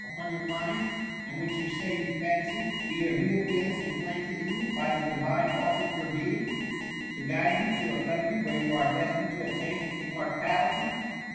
107 upon your mind, and which you Bay^j/ou fancy, be a real feeling implanted in you by the Divine Author of your being, to guide you to a eountry where you are destined to attain im mortality?